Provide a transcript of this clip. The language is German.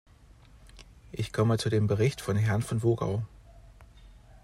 Ich komme zu dem Bericht von Herrn von Wogau.